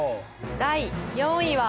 第４位は。